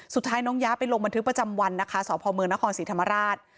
สุดท้ายน้องย้าไปลงบันทึกประจำวันนะคะสพเมืองนครศรีธรรมราช